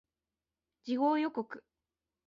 次号予告